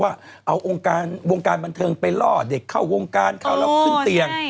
ว่าเอาวงการบันเทิงไปล่อเด็กเข้าวงการเข้าแล้วขึ้นเตียง